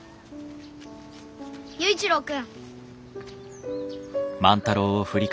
佑一郎君。